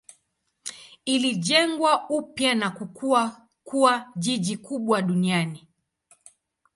Ilijengwa upya na kukua kuwa jiji kubwa duniani.